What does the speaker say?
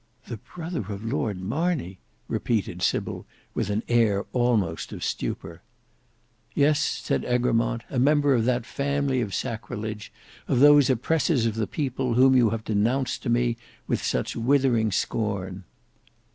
"The brother of Lord Marney!" repeated Sybil, with an air almost of stupor. "Yes," said Egremont: "a member of that family of sacrilege, of those oppressors of the people, whom you have denounced to me with such withering scorn."